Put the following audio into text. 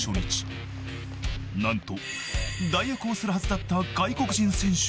［何と］